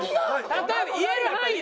例えば言える範囲で。